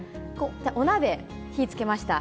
お鍋、火つけました。